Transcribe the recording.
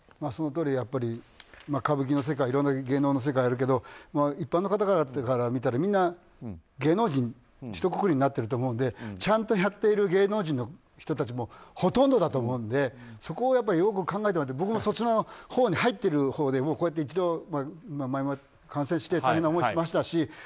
そのとおり、やっぱり歌舞伎の世界いろいろな芸能の世界があるけど一般の方から見たらみんな芸能人ひとくくりになってると思うのでちゃんとやってる芸能人の方もほとんどだと思うのでそこをよく考えてもらって僕もそちらのほうに入っているほうで１度感染して大変な思いしましたし